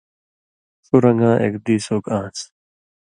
ݜُو رن٘گاں ایک دیس اوک آن٘س۔